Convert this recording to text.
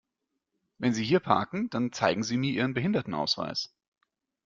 Wenn Sie hier parken, dann zeigen Sie mir Ihren Behindertenausweis!